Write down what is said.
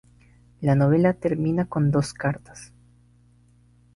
La novela termina con dos cartas.